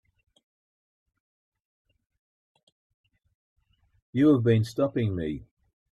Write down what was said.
You have been stopping me.